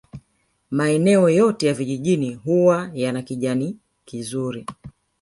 Maeneo yote ya vijijini huwa yana kijani kizuri